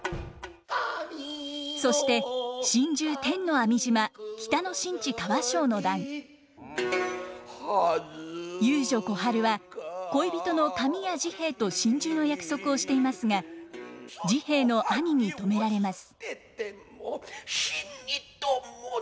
そして遊女小春は恋人の紙屋治兵衛と心中の約束をしていますが治兵衛の兄に止められます。